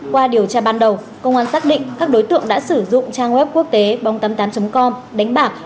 qua điều tra ban đầu công an xác định các đối tượng đã sử dụng trang web quốc tế bóng tám mươi tám com đánh bạc